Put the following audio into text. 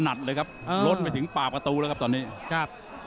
หนักเลยครับลดไปถึงปากประตูแล้วครับตอนนี้ครับ